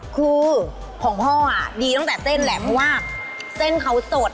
คือของพ่อดีตั้งแต่เส้นแหละเพราะว่าเส้นเขาสด